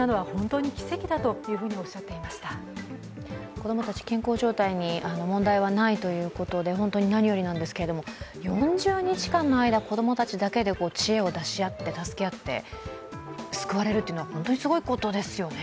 子供たち、健康状態に問題はないということで本当に何よりなんですけれども４０日間も子供たちだけで知恵を出し合って助け合って救われるというのは本当にすごいことですよね。